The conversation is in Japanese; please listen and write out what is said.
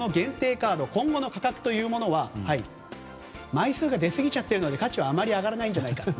カード今後の価格というものは枚数が出すぎちゃっているので価値はあまり上がらないんじゃないか。